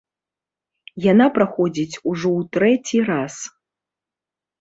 Яна праходзіць ужо ў трэці раз.